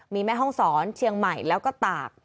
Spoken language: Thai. มีแม่ห้องศรเชียงใหม่แล้วก็ตาก